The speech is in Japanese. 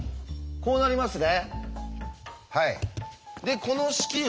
こうなりますね。